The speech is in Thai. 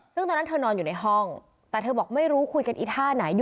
ซึ่งตอนนั้นเธอนอนอยู่ในห้องแต่เธอบอกไม่รู้คุยกันอีท่าไหน